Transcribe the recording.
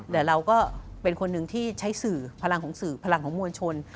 แต่เราก็เป็นคนหนึ่งที่ใช้สื่อพลังของสื่อพลังของมวลชน